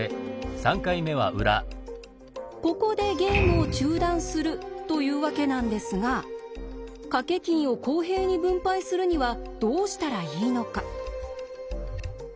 ここでゲームを中断するというわけなんですが賭け金を公平に分配するにはどうしたらいいのか。